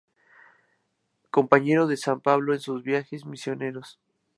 Compañero de San Pablo en sus viajes misioneros.